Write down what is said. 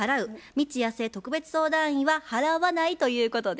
未知やすえ特別相談員は「払わない」ということです。